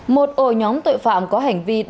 một ổ nhóm tội phạm có hành vi nặng